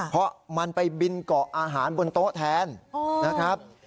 เพราะมันไปบินเกาะอาหารบนโต๊ะแทนนะครับ